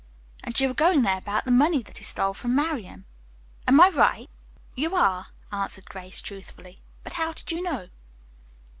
"And you are going there about the money that he stole from Marian. Am I right!" "You are," answered Grace truthfully. "But how did you know?"